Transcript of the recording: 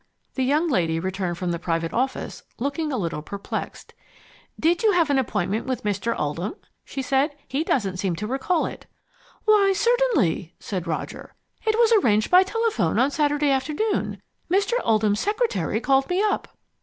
The young lady returned from the private office looking a little perplexed. "Did you have an appointment with Mr. Oldham?" she said. "He doesn't seem to recall it." "Why, certainly," said Roger. "It was arranged by telephone on Saturday afternoon. Mr. Oldham's secretary called me up."